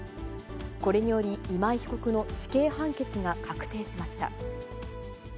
これにより、今井被告の死刑判決が確定しました。